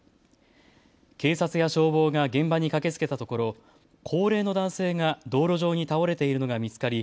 警察や消防が現場に駆けつけたところ、高齢の男性が道路上に倒れているのが見つかり